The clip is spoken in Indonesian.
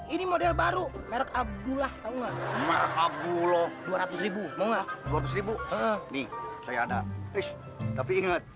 ini model baru merek abdullah tahu nggak abu abu dua ratus mau nggak dua puluh nih saya ada tapi inget